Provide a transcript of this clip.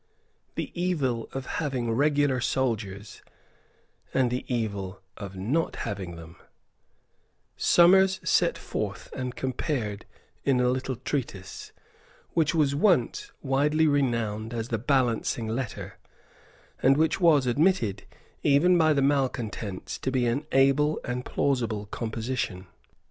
The evil of having regular soldiers, and the evil of not having them, Somers set forth and compared in a little treatise, which was once widely renowned as the Balancing Letter, and which was admitted, even by the malecontents, to be an able and plausible composition.